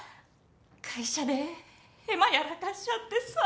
会社でヘマやらかしちゃってさ。